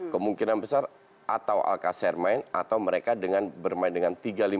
kemungkinan besar atau alcacer main atau mereka bermain dengan tiga lima dua